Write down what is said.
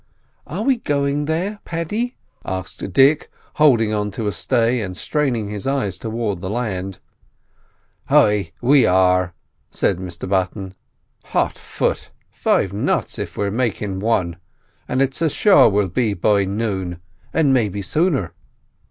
"Are we going there, Paddy?" asked Dick, holding on to a stay, and straining his eyes towards the land. "Ay, are we," said Mr Button. "Hot foot—five knots, if we're makin' wan; and it's ashore we'll be by noon, and maybe sooner."